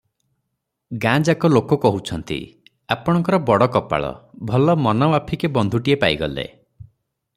ଗାଁଯାକ ଲୋକ କହୁଛନ୍ତି, ଆପଣଙ୍କର ବଡ଼ କପାଳ, ଭଲ ମନମାଫିକେ ବନ୍ଧୁଟିଏ ପାଇଗଲେ ।